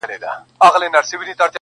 ما لیدې د کړاکړ په تورو غرو کي!.